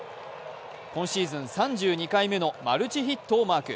今シーズン３２回目のマルチヒットをマーク。